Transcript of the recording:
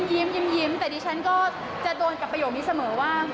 ยิ้มแต่ดิฉันก็จะโดนกับประโยคนี้เสมอว่า